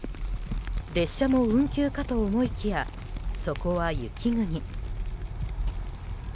列車も運休かと思いきやそこは雪国。